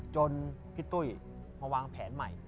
จนพี่ตุ้ยมาวางแผนใหม่